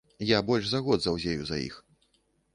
Я больш за год заўзею за іх.